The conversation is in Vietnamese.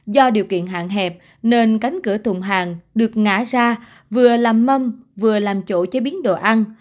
do điều kiện hạn hẹp nên cánh cửa tùng hàng được ngã ra vừa làm mâm vừa làm chỗ chế biến đồ ăn